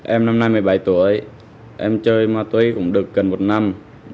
em năm nay một mươi bảy tuổi em chơi ma túy cũng được gần một năm